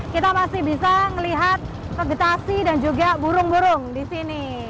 kita masih bisa melihat vegetasi dan juga burung burung di sini